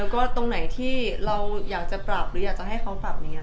แล้วก็ตรงไหนที่เราอยากจะปรับหรืออยากจะให้เขาปรับอย่างนี้